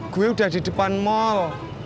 gua udah di depan mall